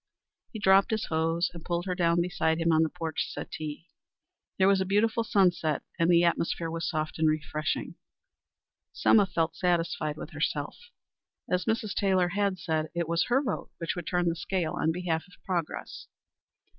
He dropped his hose and pulled her down beside him on the porch settee. There was a beautiful sunset, and the atmosphere was soft and refreshing. Selma felt satisfied with herself. As Mrs. Taylor had said, it was her vote which would turn the scale on behalf of progress.